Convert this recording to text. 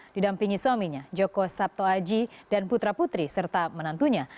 didampingi suaminya joko sabtoaji dan putra putri serta menantunya